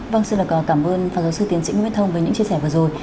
vâng xin lời cảm ơn phán giáo sư tiến sĩ nguyễn thông với những chia sẻ vừa rồi